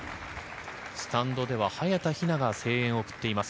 スタンドでは早田ひなが声援を送っています。